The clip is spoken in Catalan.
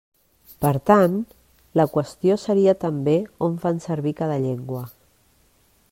Per tant, la qüestió seria també on fan servir cada llengua.